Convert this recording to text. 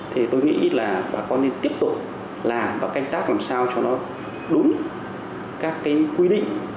thì tôi nghĩ là bà con nên tiếp tục làm và canh tác làm sao cho nó đúng các cái quy định